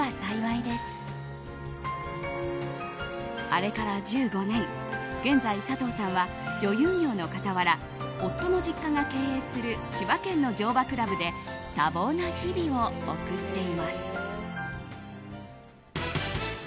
あれから１５年現在、佐藤さんは女優業の傍ら夫の実家が経営する千葉県の乗馬クラブで多忙な日々を送っています。